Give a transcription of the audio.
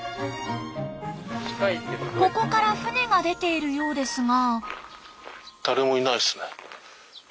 ここから船が出ているようですが。